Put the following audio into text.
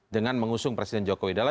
dengan mengusung presiden jokowi